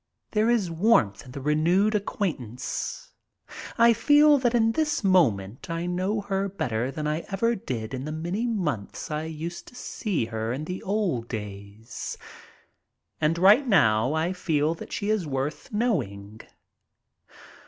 There is warmth in the renewed acquaintance. I feel that in this moment I know her better than I ever did in the many months I used to see her in the old days. And right now I feel that she is worth knowing.